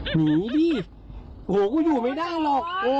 หนีดิโอ้โหกูอยู่ไม่ได้หรอกโอ้โห